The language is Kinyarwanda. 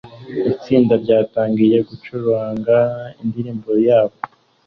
Itsinda ryatangiye gucuranga indirimbo yabo